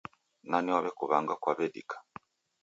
Nani w'akuw'anga kwawedika?